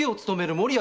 守屋！